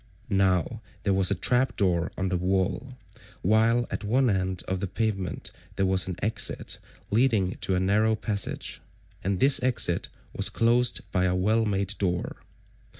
Now there was a trap door169 on the wall, while at one end of the pavement170 there was an exit leading to a narrow passage, and this exit was closed by a well made door.